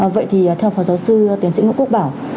vậy thì theo phó giáo sư tiến sĩ nguyễn quốc bảo